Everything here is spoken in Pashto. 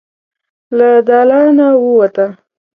له دالانه ووته.